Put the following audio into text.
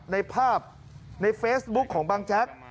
ในเฟซบุ๊กของบางแจ๊ก